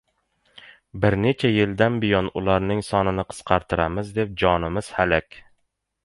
Bir necha yildan buyon ularning sonini qisqartiramiz deb jonimiz halak.